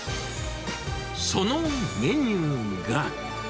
そのメニューが。